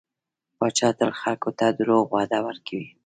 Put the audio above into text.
پاچا تل خلکو ته دروغ وعده ورکوي .